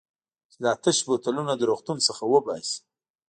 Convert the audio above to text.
چې دا تش بوتلونه له روغتون څخه وباسي.